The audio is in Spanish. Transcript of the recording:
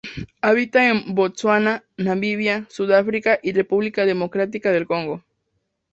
Habita en Botsuana, Namibia, Sudáfrica y República Democrática del Congo.